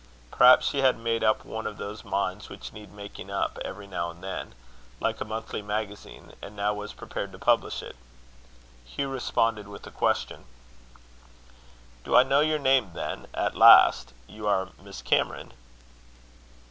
Perhaps she had made up one of those minds which need making up, every now and then, like a monthly magazine; and now was prepared to publish it. Hugh responded with a question: "Do I know your name, then, at last? You are Miss Cameron?"